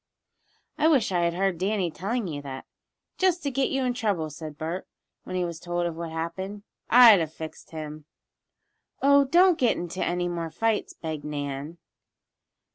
"I wish I had heard Danny telling you that just to get you in trouble," said Bert, when he was told of what had happened. "I'd have fixed him." "Oh, don't get into any more fights," begged Nan.